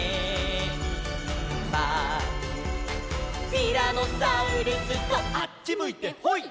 「ティラノサウルスとあっちむいてホイ！？」